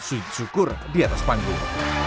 sujud syukur di atas panggung